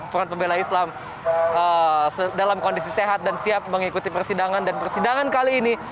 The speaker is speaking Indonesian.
front pembela islam dalam kondisi sehat dan siap mengikuti persidangan dan persidangan kali ini